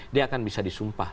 dia akan bisa disumpah